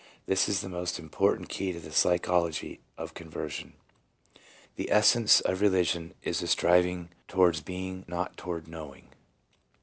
This is the most important key to the psychology of ' conversion.' ,n "The essence of religion is a striving towards being, not toward knowing."